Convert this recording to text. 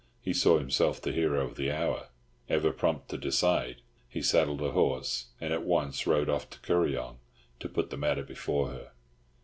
He saw himself the hero of the hour: ever prompt to decide, he saddled a horse, and at once rode off to Kuryong to put the matter before her.